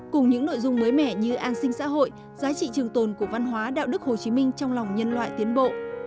cùng những nội dung mới mẻ như an sinh xã hội giá trị trường tồn của văn hóa đạo đức hồ chí minh trong lòng nhân loại tiến bộ